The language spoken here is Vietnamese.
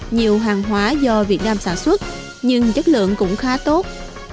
nhiều hàng hóa do việt nam sản xuất nhưng chất lượng cũng khá tốt